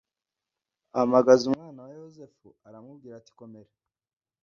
ahamagaza umwana we yosefu aramubwira ati komera